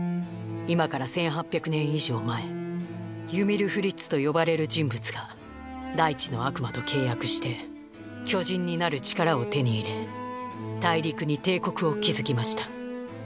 今から１，８００年以上前「ユミル・フリッツ」と呼ばれる人物が「大地の悪魔」と契約して巨人になる力を手に入れ大陸に帝国を築きました。